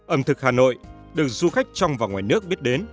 ẩm thực hà nội được du khách trong và ngoài nước biết đến